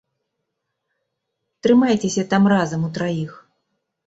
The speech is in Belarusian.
Трымайцеся там разам утраіх.